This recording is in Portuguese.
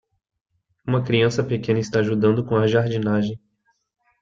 Uma criança pequena está ajudando com a jardinagem.